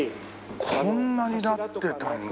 こんなになってたんだ。